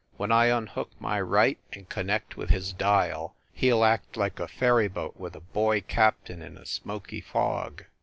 When I unhook my right and connect with his dial, he ll act like a ferry boat with a boy captain in a smoky fog.